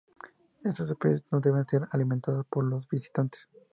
Estas especies no deben ser alimentadas por los visitantes.